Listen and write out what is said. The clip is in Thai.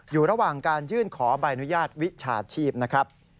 อยู่ระหว่างการยื่นขอใบอนุญาตวิชาชีพนะครับ